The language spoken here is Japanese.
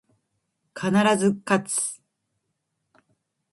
必ず、かつ